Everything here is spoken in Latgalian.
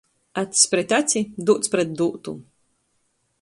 Acs pret aci, dūts pret dūtu.